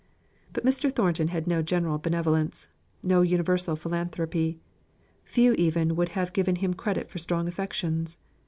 But Mr. Thornton had no general benevolence, no universal philanthropy; few even would have given him credit for strong affections.